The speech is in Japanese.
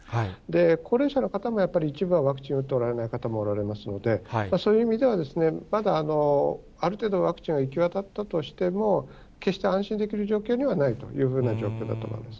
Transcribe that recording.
高齢者の方もやっぱり、一部はワクチンを打っておられない方もおられますので、そういう意味では、まだある程度ワクチンが行き渡ったとしても、決して安心できる状況にはないというふうな状況だと思います。